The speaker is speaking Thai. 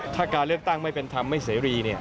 ถ้าการเลือกตั้งไม่เป็นธรรมไม่เสรี